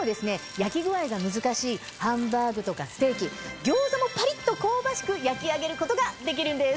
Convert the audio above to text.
焼き具合が難しいハンバーグとかステーキ餃子もパリっと香ばしく焼き上げることができるんです。